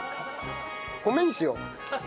米にしよう。